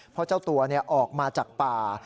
เพราะเจ้าตัวออกมาจากป่า